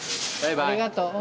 ありがとう。